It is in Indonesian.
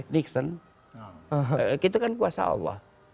nixon kita kan kuasa allah